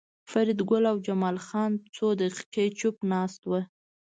فریدګل او جمال خان څو دقیقې چوپ ناست وو